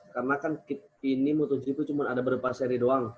karena kan ini motogp itu cuma ada beberapa seri doang